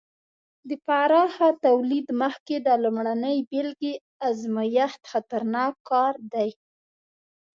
د پراخه تولید مخکې د لومړنۍ بېلګې ازمېښت خطرناک کار دی.